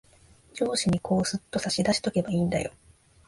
上司にこう、すっと差し出しとけばいんだよ。